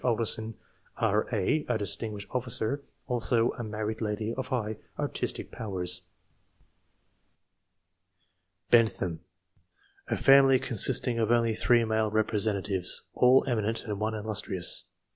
] ANTECEDENTS. 43 Alderson, R.A., a distinguished ofl&cer ; also a married lady of high artistic powers. Bentham. — ^A family consisting of only 3 male representatives, all eminent, and one illustrious.